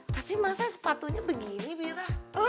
tapi masa sepatunya begini mira